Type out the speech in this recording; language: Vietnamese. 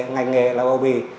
ngành nghề là bầu bì